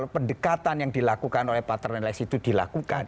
pendekatan yang dilakukan oleh partners itu dilakukan